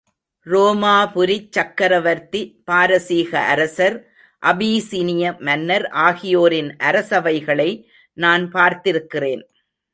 ரோமாபுரிச் சக்கரவர்த்தி, பாரசீக அரசர், அபீசீனிய மன்னர் ஆகியோரின் அரசவைகளை நான் பார்த்திருக்கிறேன்.